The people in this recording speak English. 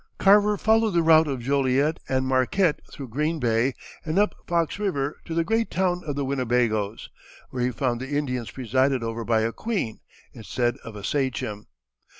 Carver followed the route of Joliet and Marquette through Green Bay and up Fox River to the great town of the Winnebagoes, where he found the Indians presided over by a queen instead of a sachem.